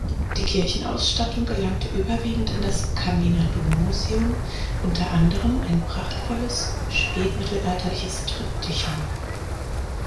Die Kirchenausstattung gelangte überwiegend in das Camminer Dommuseum, unter anderem ein prachtvolles spätmittelalterliches Triptychon.